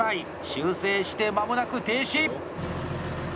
修正して間もなく停止！